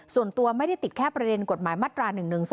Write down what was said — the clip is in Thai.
ส่วนตัวไม่ได้ติดแค่ประเด็นกฎหมายมาตรา๑๑๒